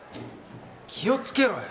気を付けろよ！